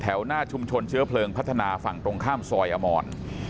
หน้าชุมชนเชื้อเพลิงพัฒนาฝั่งตรงข้ามซอยอมร